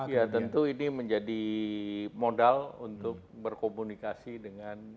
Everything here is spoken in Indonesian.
ya tentu ini menjadi modal untuk berkomunikasi dengan